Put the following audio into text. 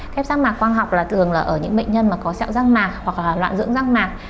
ghép rác mạc quang học là thường ở những bệnh nhân có sẹo rác mạc hoặc loạn dưỡng rác mạc